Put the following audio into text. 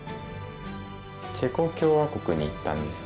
チェコ共和国に行ったんです。